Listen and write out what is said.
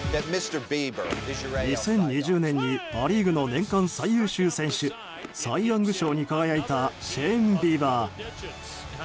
２０２０年にア・リーグの年間最優秀選手サイ・ヤング賞に輝いたシェーン・ビーバー。